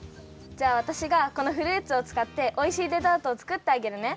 じゃあわたしがこのフルーツをつかっておいしいデザートをつくってあげるね！